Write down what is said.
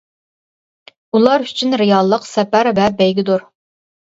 ئۇلار ئۈچۈن رېئاللىق سەپەر ۋە بەيگىدۇر.